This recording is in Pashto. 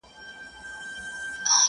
په دې ائينه كي دي تصوير د ځوانۍ پټ وسـاته؛